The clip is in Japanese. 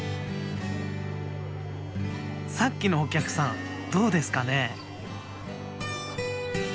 さっきのお客さんどうですかね？